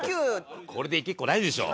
これでいけっこないでしょ。